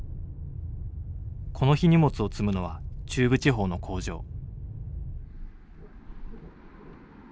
この日荷物を積むのは中部地方の工場。